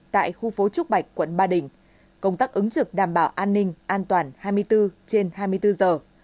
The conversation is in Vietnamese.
tại khu phố trúc bạch quận ba đình công tác ứng trực đảm bảo an ninh an toàn hai mươi bốn trên hai mươi bốn giờ